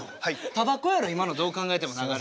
タバコやろ今のどう考えても流れ。